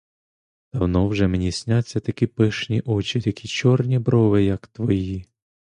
Давно вже мені сняться такі пишні очі, такі чорні брови, як твої.